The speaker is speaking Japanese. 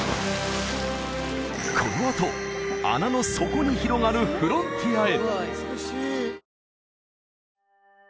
このあと穴の底に広がるフロンティアへ！